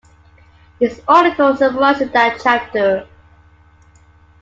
This article summarizes that chapter.